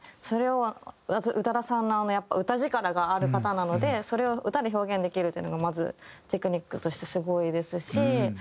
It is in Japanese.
それを宇多田さんのあのやっぱ歌力がある方なのでそれを歌で表現できるっていうのがまずテクニックとしてすごいですし。